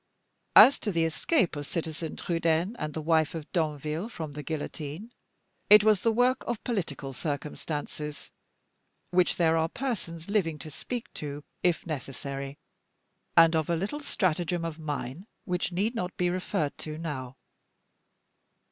"As to the escape of Citizen Trudaine and the wife of Danville from the guillotine, it was the work of political circumstances, which there are persons living to speak to if necessary; and of a little stratagem of mine, which need not be referred to now.